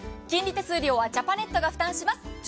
金利手数料はジャパネットが負担いたします。